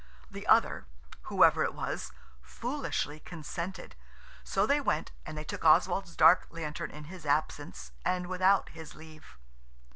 The other–whoever it was–foolishly consented. So they went, and they took Oswald's dark lantern in his absence and without his leave.